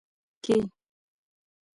کښې